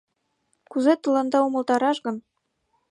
— Кузе тыланда умылтараш гын?..